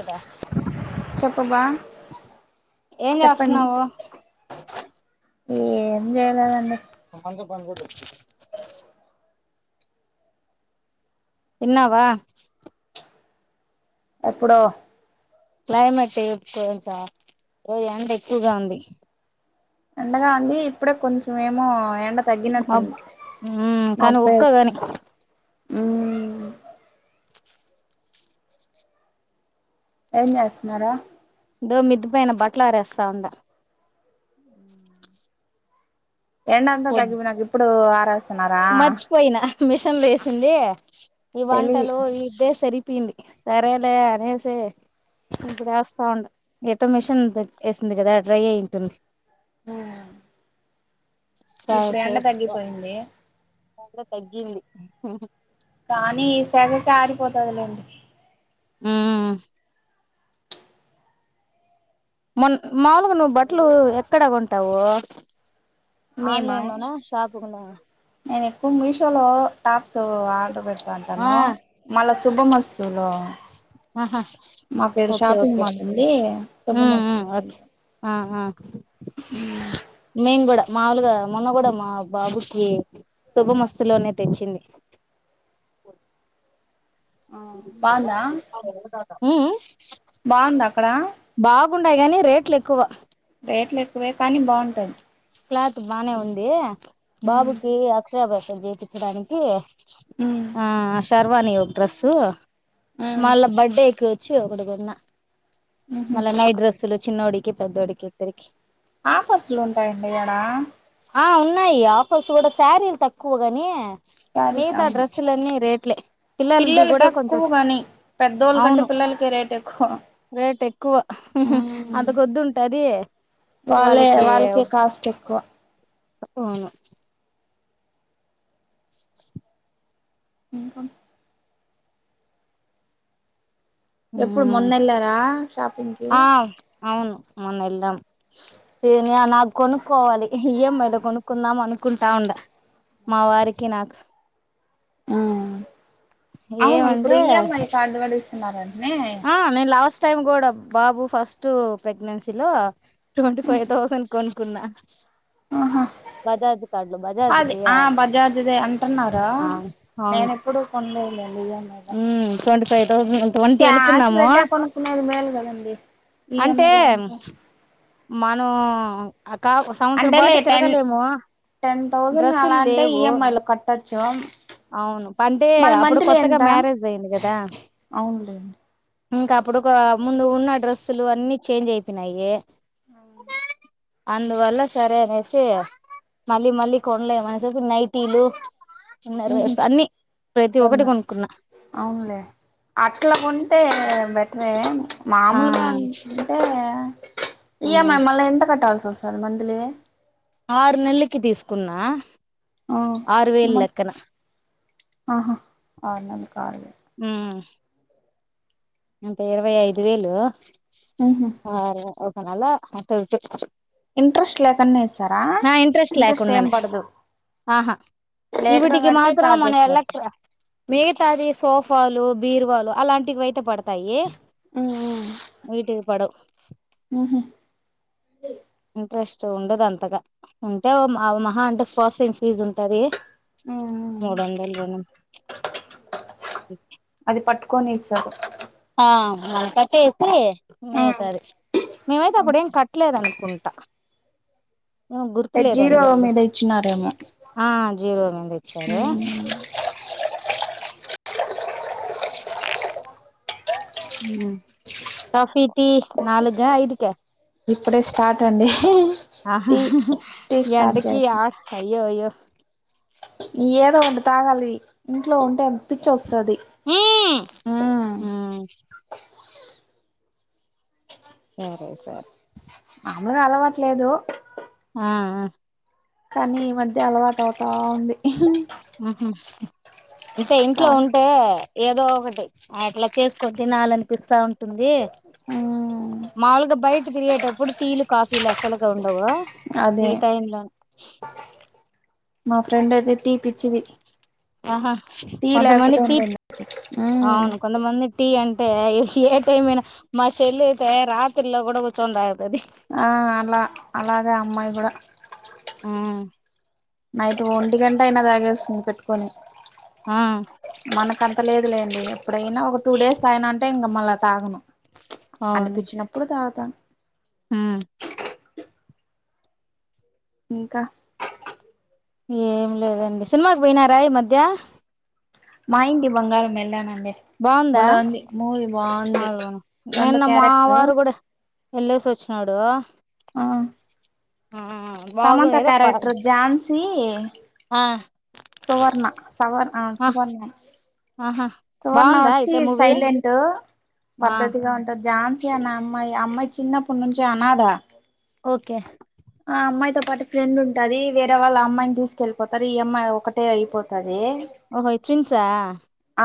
కదా చెప్పు బా ఏం చేస్తన్నావు ఏం జెయలేదండి పంత పంచ తిన్నావా ఎప్పుడో క్లైమేట్ ఇప్ కొంచెం ఏది ఎండ ఎక్కువగా ఉంది ఎండగా ఉంది ఇప్పుడే కొంచెం ఏమో ఎండ మబ్ తగ్గినట్టుంది మ్మ్ కానీ ఉక్కగాని మబ్బేసుకున్ ఊమ్ ఏం చేస్తున్నారా దో మిద్దిపైన బట్టలు ఆరేస్తా ఉండా ఎండంతా పొద్ తగ్గిపోయినాక ఇప్పుడు ఆరేస్ మర్చిపోయినా మిషన్లీ ఏసింది ఈ తెలివి వంటలు ఇద్దే సరిపోయింది సరేలే అనేసి ఇప్పుడేస్తా ఉండా ఎటో మిషన్ తక్ ఏసింది కదా డ్రై అయి ఉంటుంది మియామ్ ఇప్పుడు ఎండ తగ్గిపోయింది దాంట్లో తగ్గింది కానీ ఈ సారికి ఆరిపోతాదిలేండి ఊ మొన్ మాములుగా నువ్వు బట్టలు ఎక్కడ కొంటావు మేమా ఆన్లైన్ లోనా షాపుగునా నేను ఎక్కువ మీ షోలో టాప్స్ ఆర్డర్ పెడతా ఆ ఉంటాను మళ్ళా శుభమస్తు లో ఆహా మాకు ఈడ ఓకే షాపింగ్ ఓకే మాల్ ఉంది ఉమ్ ఉమ్ శుభమస్తు [inaudible] ఓకే ఆ ఆ ఊ మేన్ కూడా మాముూలుగా మొన్న కూడా మా బాబుకి శుభమస్తు లోనే తెచ్చింది ఆ ఊ బాగుందా ఊ బావుందా అక్కడ గాని రేట్లు ఎక్కువ క్లాత్ బానే ఉంది ఉమ్ బాబుకి అక్షరబ్యాసం చేపించడానికి ఉమ్ ఆ శషర్వాని ఒక డ్రెస్సు మళ్ళా బడ్డేకి ఛి ఒకటి కొన్న ఉహు మళ్ల నైట్ డ్రెస్సులు చిన్నోడికి పెద్దోడికి ఇద్దరికి ఆఫర్స్లు ఉంటాయంట ఎడా ఆ ఉన్నాయి ఆఫర్స్ కూడా శారీలు తక్కువ గాని శారీస్ మిగతా అవును డ్రెస్ తలన్నీ రేట్లే పిల్లలది పిల్లలకి కూడా ఎక్కువ కొంచెం గని పెద్దోళ్ళకంటే అవును పిల్లలకి రేట్ ఎక్కువ రేట్ ఎక్కువ ఉమ్ అంతకొద్దు ఉంటది వాళ్ళే వాళ్ళకి వాళ్ళకె కాస్ట్ ఎక్కువ ఒ అవును ఇంక ఎప్పుడు మ్మ్ మొన్నేళ్లారా షాపింగ్ కి ఆ అవును మొన్న ఎళ్ళాం ఎనీ అన్న కొనుక్కోవాలి ఈఎంఐలో కొనుక్కుందాం అనుకుంటాండ మా వారికి నాకు ఊమ్ అవును ఇప్పుడు ఏమంటే ఈఎంఐ కార్డు కూడ ఇస్తున్నారుంటనే ఆ నే లాస్ట్టైమ్ కూడా బాబు ఫస్ట్ ప్రెగ్నెన్సీలో ట్వంటీ ఫైవ్ థౌజండ్ కొనుక్కున్న ఆహా అది కి ఆ అవును బజార్జ్దే అంటున్నార నేన ఎప్పుడు కొనలేదులే ఇయమ్ఐ లె ఊమ్ ట్వంటీ ఫైవ్థౌసండ్ ట్వంటీ అనుకున్నాము పెట్టే కొనుక్కునేది మేలు కదండి అంటే ఈఎంఐలో అంతా మనం అకా ఉస్ సంవత్సరం అంటేలే పాటు టెన్ తిరగలేము టెన్ థౌజండ్ అలా అంటే డ్రస్సుల్లేవు ఈఎంఐలో కట్టొచ్చు అవును పంటే మళ్ళ అప్పుడు కొత్తగా మ్యారేజ్ అఇంది కదా అవున్ లేం ఇంకా అప్పుడు ఒక ముందు ఉన్న డ్రస్సులు అన్నీ చేంజ్ అయిపోయినాయి ఆ అందువల్ల సరే అనేసి మళ్ళీ మళ్ళీ కొనలేమనిసేపు నైటీలు ఉహు ఇన్నారవర్స్ అన్ని ప్రతి ఒక్కటి కొన్నారు కొనుక్కున్నా అవునులే అట్లా కొంటే బెటరె ఆ మామూలుగ అంటనా టే ఆ, ఈఎంఐ మళ్ళీ ఎంత కట్టాల్సి వస్తుంది మంత్లీ ఆరు నెల్లుకి తీసుకున్నా ఆ ఆరు వేలు మం లెక్కన ఆహా ఊమ్ ఇంకా ఇరవై ఐదు వేలు ఉహూ కారు ఒక నెల్లో అటు ఇటు ఇంట్రెస్ట్ లేకన్నా ఇస్తారా నా ఇంట్రెస్ట్ లేకుండానే ఏం పడదు ఆహా లేట్ గా ఈవిటికి కడితే మాత్ర మన చార్జెస్ పడతాయి ఎల్లట్ల మిగతాది సోఫాలు బీరువాలు అలాంటివి అయితే పడత తయ్యే వీటికి పడవ్ మ్ ఇంట్రెస్టు ఉండదు అంతగా ఉంటేఓ ఆ మహా అంటే ఫసెంట్ ఫీజ్ ఉంటది నోడందల న [inaudible] అది పట్టుకొనిస్తారు ఆ కట్టే ఎస్తే అంటే మేమైతే అప్పుడేం కట్లేదనుకుంటా గుర్తు జీరో లేదండి మీద ఇచ్చినారేమో ఆ జీరో మీద ఇచ్చారు కాఫీ టీ నాలుగ ఐదుక ఇప్పుడే స్టార్ట్ అండి ఆ హా టీ హ టీ హ స్టార్ట్ ఎండకి చేస్తా ఆ అయ్యో అయ్యో ఏదో ఒకటి తాగాలి ఇంట్లో ఉంటే పిచ్చొస్తది హ సరే సర్ మాములుగా అలవాట్లేదు ఆ కానీ ఈ మధ్య అలవాటు అవుతా ఉంది ఆహ ఇంకా ఇంట్లో కా ఉంటే ఏదో ఒకటి అట్లా చేసుకొని తినాలనిపిస్తా ఉంటుంది ఆ మాములుగా బయట తిరిగేటప్పుడు టీలు కాఫీలు అస్సలుగా ఉండవు ఈ అదే టైమ్ లో మా ఫ్రెండ్ ది టీ పిచ్చిది ఆహా టీ లేకపోత కొంతమంది టీ ఉండదు ఆ అవును కొంతమంది టీ అంటే ఏ టైమయినా మా చెల్ అయితే రాత్రిలో కూడా కూచోన్ తాగుతది ఆ అలా అలాగే అమ్మాయి కూడా ఉమ్ నైట్ ఒంటి గంట అయినా తాగేస్తుంది పెట్టుకొని ఆ మనకంత లేదులేండి ఎప్పుడైనా ఒక టూ డేస్ తాగినంటే ఇంక మళ్ళా తాగను అనిపించినప్పుడు తాగుతా మ్ [inaudible] ఏం లేదండి సినిమాకి పోయినారా ఈ మధ్య మా ఇంటి బంగారం ఎళ్లానండి బావుందా మోయివా ఆ ని అవును నిన్న మా వారు కూడహ్ వెళ్లేసి వచ్చినాడు ఆ అ ఆ ఔ సమంత క్యారెక్టర్ ఝాన్సీ ఆ సువర్ణ సవర్ ఆ సువర్ణ అహా సువర్ణ వచ్చి సైలెన్ ఓ ఆ పద్ధతిగా ఉంటది ఝాన్సీ అనే అమ్మాయి ఆ అమ్మాయి చిన్నప్పటి నుంచి అనాథ ఓకే ఆ అమ్మాయితో పాటు ఫ్రెండ్ ఉంటది వేరే వాళ్ళ ఆ అమ్మాయిని తీసుకెళ్ళిపోతారు ఈ అమ్మాయి ఒకటే అయిపోతాది ఓహో యి ట్విన్సా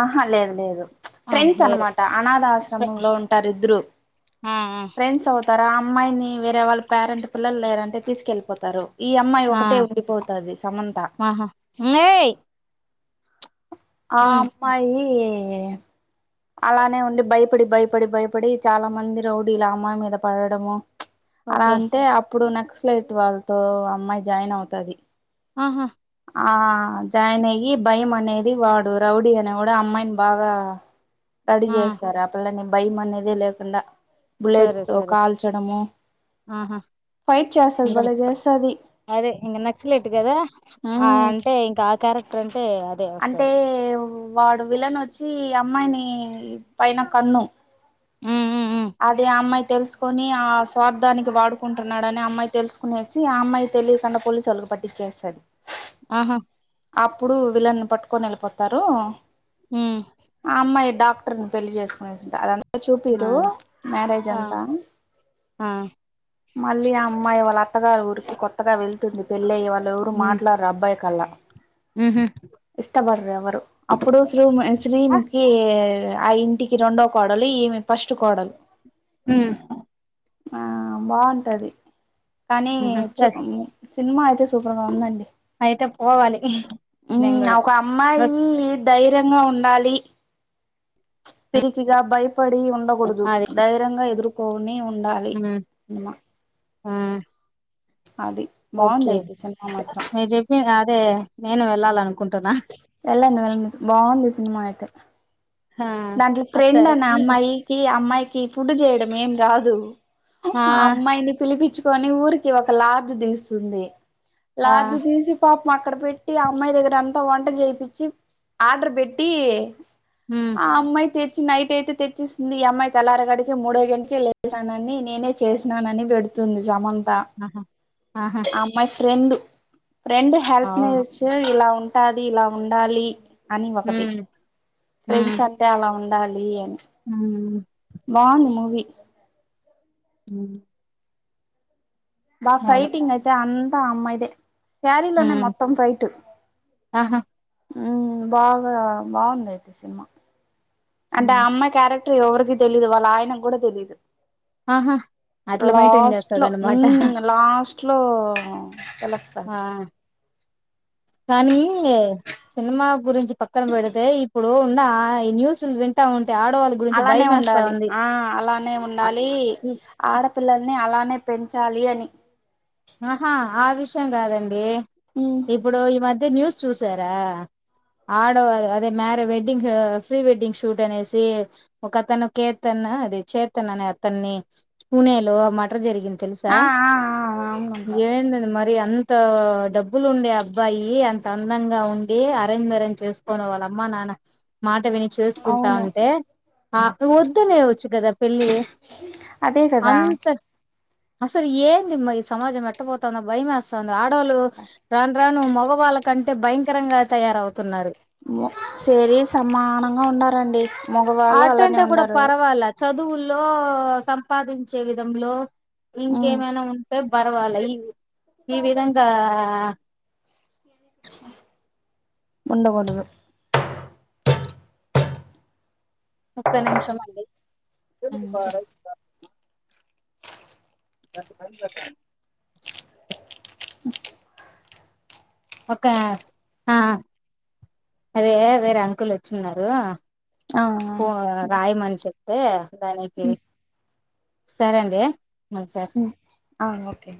ఆహా లేదు లేదు ఆ ఫ్రెండ్స్ వేరే అనమాట అనాధాశ్రమంలో ఉంటారిద్దరు ఆ ఫ్రెండ్స్ ఒ త్తర అమ్మాయిని వేరే వాళ్ళ పేరెంట్ పిల్లలులే అంటే తీసుకెళ్ళిపోతారు ఈ అమ్మాయి ఆ ఒకటే ఉండిపోతాది సమంత ఆహా మ్మేయ్ ఆ అమ్మాయీ అలానే ఉండి భయపడి భయపడి భయపడి చాలా మంది రౌడీలా అమ్మాయి మీద పడడము అలా ఓకే అంటే అప్పుడు నక్సలైట్ వాళ్ళతో అమ్మాయి జాయిన్ అవుతది ఆహా ఆ జాయిన్ అయ్యి భయమ అనేది వాడు రౌడీ అనేవాడు ఆ అమ్మాయిని బాగా రడీ ఆ చేస్తారు ఆ పిల్లని భయమనేదే లేకుండా బుల్లెట్స్ సరే తో సరే కాల్చడము ఆహా ఫైట్ చేస్తది భలే చేస్తది అదే ఇంగ నక్సలైట్ గదా ఆ ఉమ్ అంటే ఇంక ఆ క్యారెక్టర్ అంటే అదే అంటే వస్తది వాడు విలనొచ్చి అమ్మాయిని పైన కన్ను ఉమ్ ఉమ్ ఉమ్ అది ఆ అమ్మాయి తెలుసుకుని ఆ స్వార్థానికి వాడుకుంటున్నాడని అమ్మాయి తెలుసుకునే ఆ అమ్మాయి తెలియకుండా పోలీసులకు పట్టిచ్చేశారు ఆహా అప్పుడు వీళ్ళని పట్టుకొని ఎళ్ళిపోతారు ఉమ్ ఆ అమ్మాయి డాక్టర్ని పెళ్లి చేసుకునుంటారు అదంతా ఆ చూపియిరు మ్యారేజ్ ఆ అంతా ఆ మళ్ళీ ఆ అమ్మాయి వాళ్ళ అత్తగారు ఊరికి కొత్తగా వెళ్తుంది పెళ్ళయ్యి వాళ్ళేవరు మాట్లాడరు అబ్బాయి కల్లా ఊహు ఇష్టపడరు ఎవరు అప్పుడు శ్రీ ఆ శ్రీముఖీ ఆ ఇంటికి రెండో కోడలు ఈమె ఫస్టు కోడలు ఉ ఆ బాగుంటది కానీ ఉహు సరే చుకు సినిమా అయితే సూపర్ గా ఉందండి. అయితే పోవాలి ఇహ్ ఊ ఒక అమ్మాయి ధైర్యంగా ఉండాలి. పిరికిగా భయపడి ఉండగూడదు ధైర్యంగా ఎదుర్కొని ఉండాలి. ఊ సినిమా ఊ పది ఓకే మీరు చెప్పి అదే నేను వెళ్ళాలనుకుంటున్నా వెళ్ళండి వెళ్ళం బాగుంది సినిమా అయితే ఆ దాంట్లో ఫ్రెండ్ ఒకసారి అనే అమ్మాయికి అమ్మాయికి ఫుడ్ చేయడం ఏం రాదు ఉ ఆ అమ్మాయిని పిలిపిచ్చుకుని ఊరికి ఒక లార్జ్ తీస్తుంది ఆ లార్జ్ తీసి పాపం అక్కడ పెట్టి ఆ అమ్మాయి దగ్గర అంతా వంట చేపిచ్చి ఆర్డర్ పెట్టి ఉ ఆ అమ్మాయి తెచ్చి నైట్ అయితే తెచ్చేసింది ఈ అమ్మాయి తెల్లారెగాడికి మూడు అయ్యేటకే లేపేసానని నేనే చేసినానని పెడుతుంది సమంతా అహ ఆహా మై ఫ్రెండు, ఫ్రెండ్ హెల్ప్ అవును నేచర్ ఇలా ఉంటాది, ఇలా ఉండాలి. అని ఒకటి, హ్మ్ ఫ్రెండ్స్ అంటే అలా ఉండాలి అని అవునా బాగుంది మూవీ ఉహ్ బా అదే ఫైటింగ్ అయితే అంత అమ్మాయిదే సారీలోనే హ్మ్ మొత్తం ఫైటు ఆహా ఉమ్ బాగా బాగుందయితే సినిమా. అంటే హ్మ్ ఆ అమ్మాయ్ క్యారెక్టర్ ఎవరికి తెలీదు, వాళ్ళ ఆయనకు కూడా తెలీదు. ఆహా అట్లా మెయింటైన్ లాస్ట్ లో చేస్తదన్నమాట ఉమ్ లాస్ట్ లో తెలస్ ఆ కానీ సినిమా గురించి పక్కన పెడితే, ఇప్పుడు ఉన్న న్యూస్లు వింటా ఉంటే ఆడోళ్ అలానే ఉండాలి, ఆ అలానే ఉం అ డాలి ఇ ఆడపిల్లల్ని అలానే పెంచాలి అని. ఆహా ఆ విషయం కాదండి. ఉమ్ ఇప్పుడు ఈ మధ్య న్యూస్ చూసారా? ఆడో అదే అదే మ్యార్ వెడ్డింగ్, పఫ్రీ వెడ్డింగ్ షూట్ అనేసి. ఒక అతను కేతన్ అదే చేతన్ అనే అతన్ని పూణెలో మటర్ జరిగిం తెలుసా? ఆ ఆ ఆ అవునంట ఏం లేదు మరి అంత డబ్బులు ఉండే అబ్బాయి అంత అందంగా ఉండి అరేంజ్ మరేంజ్ చేస్ పోన వాళ్ళ అమ్మా నాన్న మాట విని చేూసుకుంటా అవును అంటే, ఆ నువ్వు వద్దునేవచ్చు కదా పెళ్లి అదే కదా అసలు ఏందిమ్మ ఈ సమాజం ఎట్టబోతాన్న భయమేస్ తాంది ఆడోలు రాను రాను మగవాళ్ళ కంటే భయంకరంగా తయారవుతున్నారు. సరీ సమానంగా ఉన్నారండి. మగవాళ్ళు ఆట అలానే అంటే కూడా ఉండారు పర్వాలా, చదువుల్లో, సంపాదించే విధంలో ఉమ్ ఇంకేమైనా ఉంటే పర్వాలే, ఇవ్ ఈ విధంగా ఉండకూడదు ఒక్క నిమిషం అండి ఉమ్ చెప్ ఒకేస్ ఆ అదే వేరే అంకుల్ వచ్చిన్నారు. ఆ పో రాయమని చెప్తే దానికి సరే అండి మళ్ళీ చేస్తా ఉమ్ ఆ ఓకే